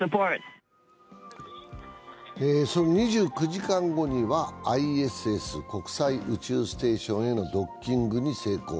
２９時間後にはＩＳＳ＝国際宇宙ステーションへのドッキングに成功。